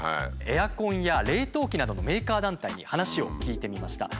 エアコンや冷凍機などのメーカー団体に話を聞いてみました。